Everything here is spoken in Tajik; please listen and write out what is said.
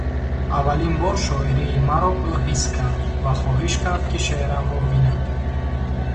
Аввалин бор шоирии маро ӯ ҳис кард ва хоҳиш кард, ки шеърамро бинад.